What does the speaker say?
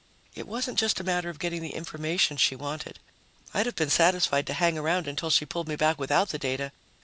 It wasn't just a matter of getting the information she wanted. I'd have been satisfied to hang around until she pulled me back without the data....